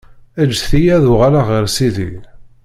ǧǧet-iyi ad uɣaleɣ ɣer sidi.